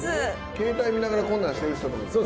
携帯見ながらこんなんしてる人とか。